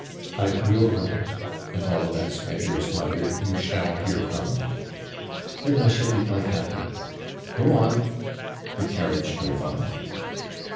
'I will write; at all events, my dearest mother, you shall hear from me.' 'Then I shall be quite happy. Go on!' The carriage drove on.